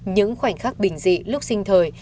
những khoảnh khắc bình dị lúc sinh thời